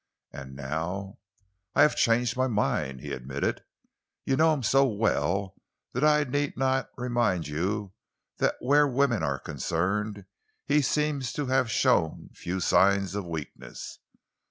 "And now?" "I have changed my mind," he admitted. "You know him so well that I need not remind you that where women are concerned he seems to have shown few signs of weakness.